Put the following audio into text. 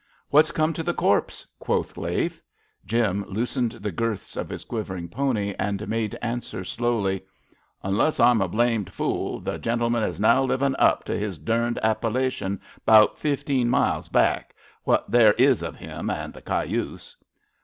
What^s come to The Corpse? '' quoth Lafe. Jim loosened the girths of his quivering pony and made answer slowly: Onless I'm a blamed fool, the gentleman is now livin' up to his dumed appellation' bout flfteen miles back — ^what there is of him and the cayuse.''